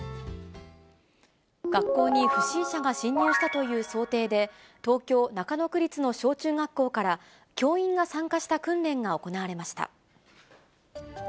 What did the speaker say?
学校に不審者が侵入したという想定で、東京・中野区立の小中学校から、教員が参加した訓練が行われました。